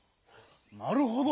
なるほど。